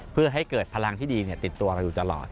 เพื่อให้เกิดพลังที่ดีติดตัวเราอยู่ตลอด